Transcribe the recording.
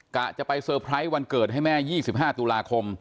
กะจะไปเซอร์ไพรส์วันเกิดให้แม่๒๕ตุลาคม